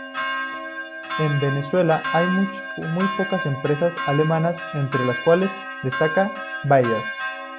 En Venezuela hay muy pocas empresas alemanas entre las cuales destaca Bayer.